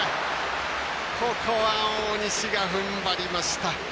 ここは、大西がふんばりました。